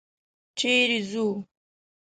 چېرې ځو؟